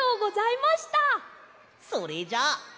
それじゃあ。